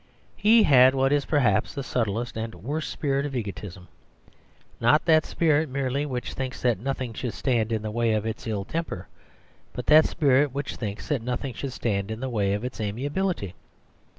He had, what is perhaps the subtlest and worst spirit of egotism, not that spirit merely which thinks that nothing should stand in the way of its ill temper, but that spirit which thinks that nothing should stand in the way of its amiability.